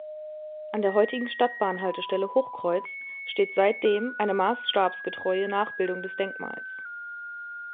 An der heutigen Stadtbahnhaltestelle „Hochkreuz“ steht seitdem eine maßstabsgetreue Nachbildung des Denkmals.